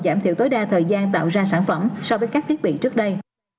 giảm thiểu tối đa thời gian tạo ra sản phẩm so với các thiết bị trước đây